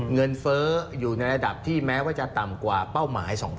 เฟ้ออยู่ในระดับที่แม้ว่าจะต่ำกว่าเป้าหมาย๒๐๐